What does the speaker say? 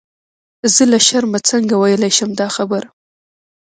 زه له شرمه څنګه ویلای شم دا خبره.